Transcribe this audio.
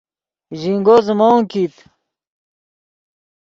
ژینگو زیموت کیت